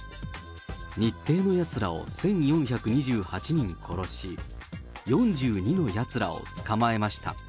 日帝のやつらを１４２８人殺し、４２のやつらを捕まえました。